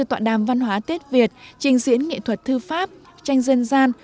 tọa đàm văn hóa tết việt trình diễn nghệ thuật thư pháp tranh dân gian